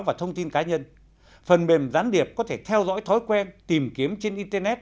phần mềm gián điệp có thể theo dõi thói quen tìm kiếm trên internet